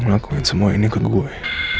ngakuin semua ini ke gue